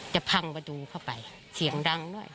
จะพังประตูเข้าไปเสียงดังด้วย